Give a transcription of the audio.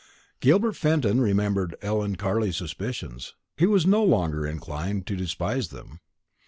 Gilbert Fenton remembered Ellen Carley's suspicions. He was no longer inclined to despise them.